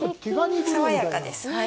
爽やかですね。